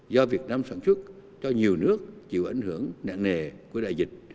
do việt nam sản xuất cho nhiều nước chịu ảnh hưởng nạn nề của đại dịch